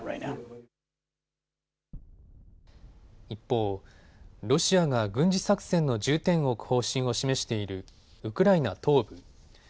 一方、ロシアが軍事作戦の重点を置く方針を示しているウクライナ東部。